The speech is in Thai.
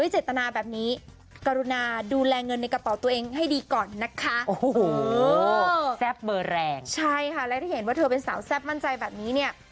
ใช่ค่ะและถ้าเห็นว่าเธอเป็นสาวแซ่บมั่นใจแบบนี้เนี่ย